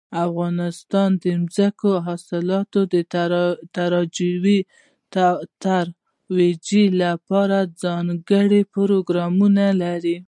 افغانستان د ځنګلي حاصلاتو د ترویج لپاره ځانګړي پروګرامونه لري.